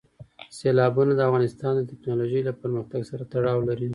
سیلابونه د افغانستان د تکنالوژۍ له پرمختګ سره تړاو لري.